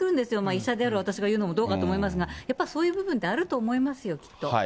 医者である私が言うのもどうかと思いますが、やっぱりそういう部分ってあると思いますよ、きっと。